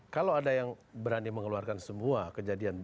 kalau ada yang berani mengeluarkan semua kejadian